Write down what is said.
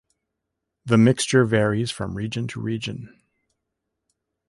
The mixture varies from region to region.